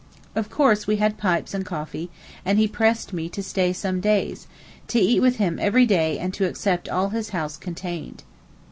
Of course we had pipes and coffee, and he pressed me to stay some days, to eat with him every day and to accept all his house contained.